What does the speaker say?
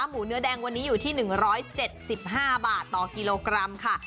หมูเนื้อแดงวันนี้อยู่ที่๑๗๕บาทต่อกิโลกรัมค่ะ